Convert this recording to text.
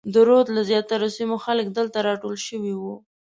د رود له زیاترو سیمو خلک دلته راټول شوي وو.